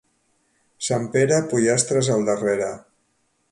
Sant Pere, pollastres al darrere.